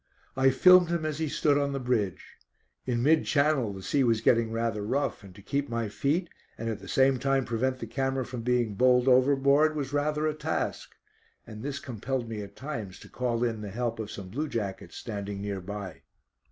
I filmed him as he stood on the bridge. In mid channel the sea was getting rather rough, and to keep my feet, and at the same time prevent the camera from being bowled overboard, was rather a task, and this compelled me at times to call in the help of some blue jackets standing near by.